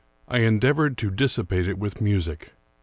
I en deavored to dissipate it with music.